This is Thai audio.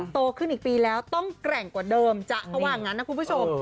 โตขึ้นอีกปีแล้วต้องแกร่งกว่าเดิมจ๊ะเขาว่างั้นนะคุณผู้ชม